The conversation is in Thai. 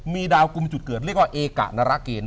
มีดาวกลุ่มจุดเกิดเรียกว่าเอกะนรเกณฑ์